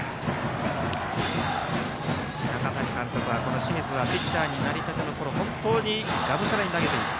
中谷監督は、清水はピッチャーになりたてのころ本当にがむしゃらに投げていた。